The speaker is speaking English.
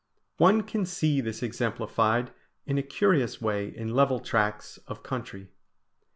One can see this exemplified in a curious way in level tracts of country.